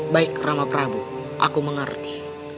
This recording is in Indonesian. baik rama prabu aku mengerti